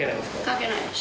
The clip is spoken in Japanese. かけない。